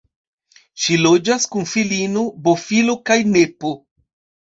Ŝi loĝas kun filino, bofilo kaj nepo.